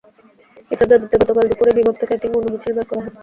এসব দাবিতে গতকাল দুপুরে বিভাগ থেকে একটি মৌন মিছিল বের করা হয়।